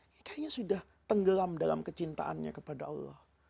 ini kayaknya sudah tenggelam dalam kecintaannya kepada allah